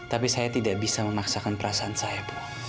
tapi saya tidak bisa memaksakan perasaan saya